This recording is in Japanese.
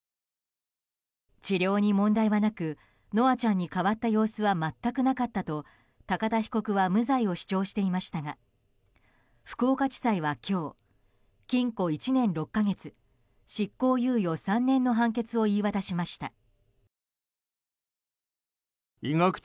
治療に問題はなく叶愛ちゃんに変わった様子は全くなかったと、高田被告は無罪を主張していましたが福岡地裁は今日禁錮１年６か月執行猶予３年の判決を言い渡しました。